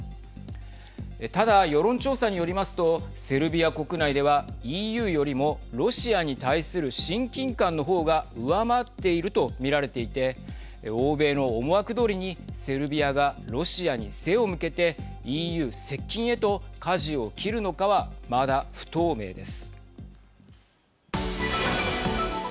ただ世論調査によりますとセルビア国内ではＥＵよりもロシアに対する親近感の方が上回っていると見られていて欧米の思惑どおりにセルビアがロシアに背を向けてＥＵ接近へと、かじを切るのかはまだ不透明です。